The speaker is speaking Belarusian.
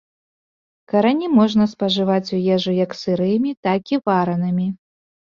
Карані можна спажываць у ежу як сырымі, так і варанымі.